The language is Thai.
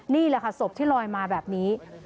นี่แหละค่ะศพที่ลอยมาแบบนี้